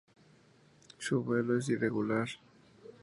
Su vuelo es irregular.